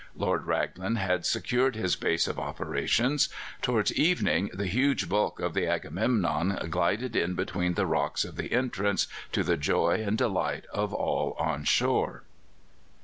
Lord Raglan had secured his base of operations. Towards evening the huge bulk of the Agamemnon glided in between the rocks of the entrance, to the joy and delight of all on shore.